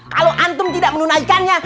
kalau antum tidak menunaikannya